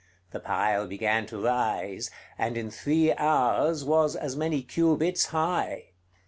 The pile began to rise; and in three hours was as many cubits high.